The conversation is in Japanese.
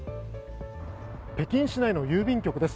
北京市内の郵便局です。